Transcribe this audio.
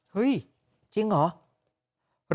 เฮ้ยจริงเหรอ